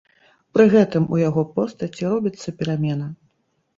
Пры гэтым у яго постаці робіцца перамена.